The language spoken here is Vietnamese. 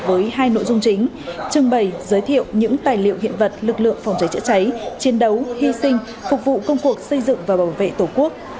với hai nội dung chính trưng bày giới thiệu những tài liệu hiện vật lực lượng phòng cháy chữa cháy chiến đấu hy sinh phục vụ công cuộc xây dựng và bảo vệ tổ quốc